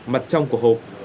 mặt trong của hộp